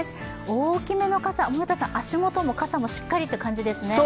大きめの傘、足元も傘もしっかりという感じですね。